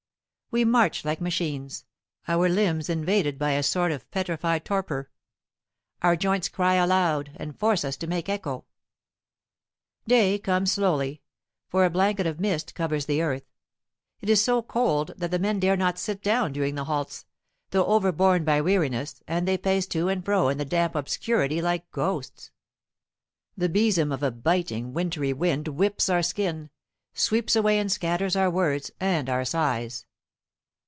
We march like machines, our limbs invaded by a sort of petrified torpor; our joints cry aloud, and force us to make echo. Day comes slowly, for a blanket of mist covers the earth. It is so cold that the men dare not sit down during the halts, though overborne by weariness, and they pace to and fro in the damp obscurity like ghosts. The besom of a biting wintry wind whips our skin, sweeps away and scatters our words and our sighs.